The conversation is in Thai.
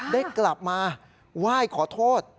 ได้กลับมาไหว้ขอโทษ